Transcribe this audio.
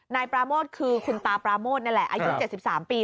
นายปราโมทคือคุณตาปราโมทนี่แหละอายุ๗๓ปี